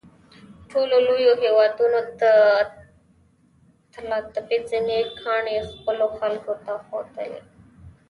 ټولو لویو هېوادونو د طلاتپې زرینې ګاڼې خپلو خلکو ته ښودلې.